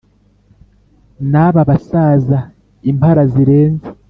na ba basaza impara zirenze,